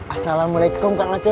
assalamualaikum pak wacom